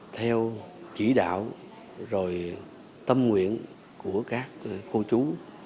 theo chỉ đạo rồi tâm nguyện của các cô chú